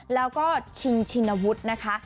แล้วก็ชิงชินวุฒินะคะ